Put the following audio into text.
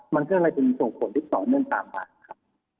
มันก็เลยเป็นส่งผลที่ต่อเนื่องตามมาครับ